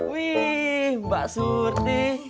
wih mbak surti